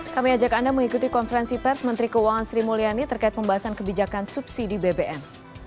kami ajak anda mengikuti konferensi pers menteri keuangan sri mulyani terkait pembahasan kebijakan subsidi bbm